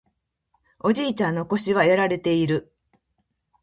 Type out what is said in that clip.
おじいちゃんの腰はやられている